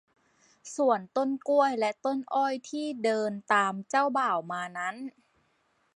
ส่วนต้นกล้วยและต้นอ้อยที่เดินตามเจ้าบ่าวมานั้น